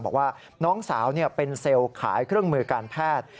บอกว่าน้องสาวเป็นเซลล์ขายเครื่องมือการแพทย์